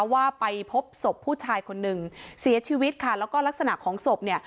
ว่าไปพบศพผู้ชายคนหนึ่งเสียชีวิตค่ะแล้วก็ลักษณะของศพเนี่ย